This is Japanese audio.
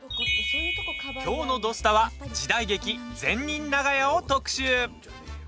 きょうの「土スタ」は時代劇「善人長屋」を特集。